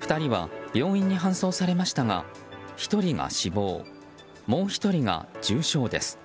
２人は病院に搬送されましたが１人が死亡もう１人が重傷です。